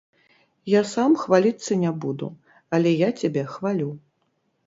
Я сам хваліцца не буду, але я цябе хвалю.